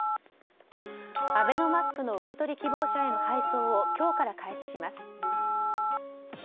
アベノマスクの受け取り希望者への配送を今日から開始します。